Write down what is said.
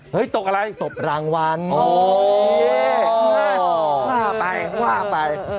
เฮ้ยตกอะไรตกรางวัลโอ้โฮเย่ค่ะว่าไป